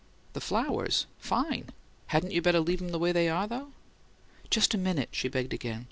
"The flowers? Fine! Hadn't you better leave 'em the way they are, though?" "Just a minute," she begged again.